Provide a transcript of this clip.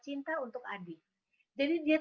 cinta untuk adik jadi dia